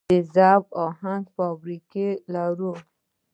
د ذوب اهن فابریکې لرو؟